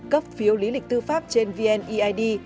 cấp phiếu lý lịch tư pháp trên vneid